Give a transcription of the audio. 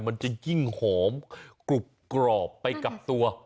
มันจะยิ่งหอมกรุบกรอบไปกับตัว